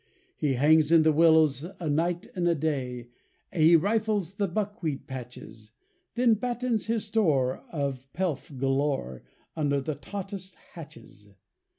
He hangs in the Willows a night and a day; He rifles the Buckwheat patches; Then battens his store of pelf galore Under the tautest hatches.